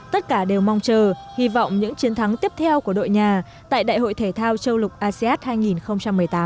tất cả đều mong chờ hy vọng những chiến thắng tiếp theo của đội nhà tại đại hội thể thao châu lục asean hai nghìn một mươi tám